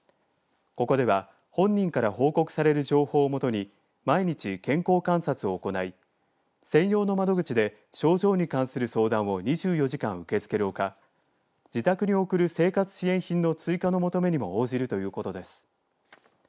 ここでは本人から報告される情報をもとに毎日、健康観察を行い専用の窓口で症状に関する相談を２４時間、受け付けるほか自宅に送る生活支援品の追加の求めにも応じるということです。